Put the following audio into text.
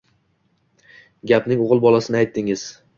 Gapding o‘g‘ilbolasini aytdingiz